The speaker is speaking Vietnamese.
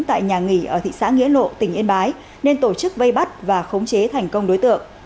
tại nhà nghỉ ở thị xã nghĩa lộ tỉnh yên bái nên tổ chức vây bắt và khống chế thành công đối tượng